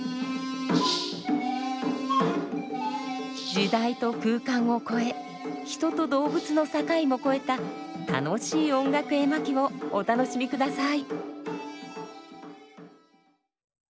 時代と空間を超え人と動物の境も超えた楽しい音楽絵巻をお楽しみください。